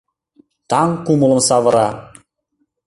Таҥ кумылым савыра.